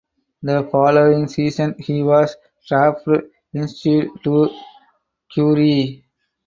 The following season he was drafted instead to Currie.